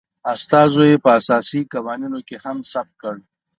استازو یي په اساسي قوانینو کې هم ثبت کړ